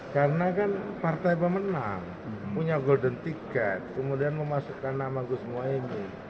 karena kan partai pemenang punya golden ticket kemudian memasukkan nama gus mohi ini